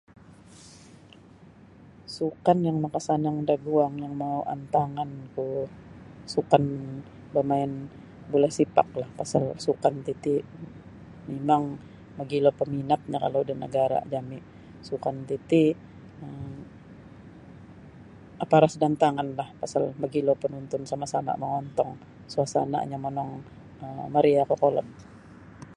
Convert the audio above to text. Sukan yang makasanang da guang yang mau antangan ku sukan bamain bola sepaklah pasal sukan titi mimang mogilo paminatnyo kalau da nagara jami sukan titi um maparas da antangan lah pasal mogilo panuntun sama-sama mangontong suasananyo monong um mariah kokolod.